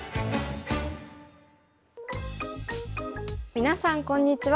皆さんこんにちは。